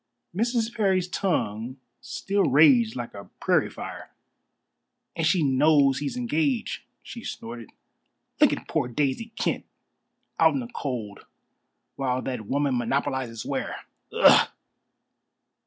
Mrs. Parry's tongue still raged like a prairie fire. "And she knows he's engaged," she snorted. "Look at poor Daisy Kent out in the cold, while that woman monopolizes Ware! Ugh!"